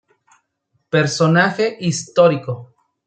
Personaje histórico.